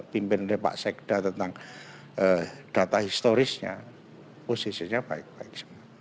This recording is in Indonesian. pimpin oleh pak sekda tentang data historisnya posisinya baik baik semua